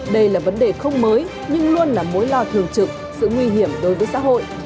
đây là vấn đề không mới nhưng luôn là mối lo thường trực sự nguy hiểm đối với xã hội